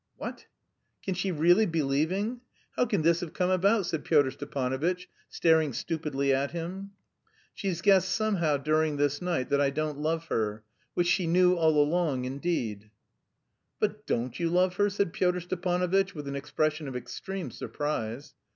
"What! Can she really be leaving? How can this have come about?" said Pyotr Stepanovitch, staring stupidly at him. "She's guessed somehow during this night that I don't love her... which she knew all along, indeed." "But don't you love her?" said Pyotr Stepanovitch, with an expression of extreme surprise.